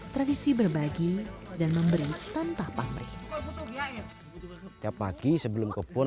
tradisi terbagi karma clicking